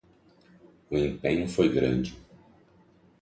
O empenho foi grande